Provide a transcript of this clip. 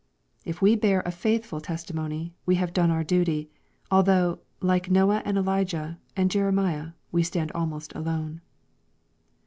If we bear a faithful testimony, we have done our duty, although, like Noah and Elijah, and Jeremiah, we stand almost alone.